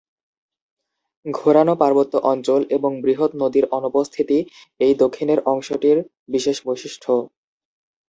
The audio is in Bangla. ঘোরানো পার্বত্য অঞ্চল এবং বৃহৎ নদীর অনুপস্থিতি এই দক্ষিণের অংশটির বিশেষ বৈশিষ্ট্য।